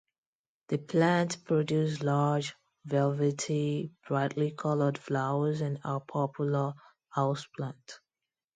The plants produce large, velvety, brightly colored flowers and are popular houseplants.